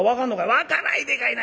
「わからいでかいな。